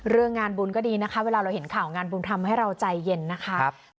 เรื่องงานบุญก็ดีนะคะเวลาเราเห็นข่าวงานบุญทำให้เราใจเย็นนะคะ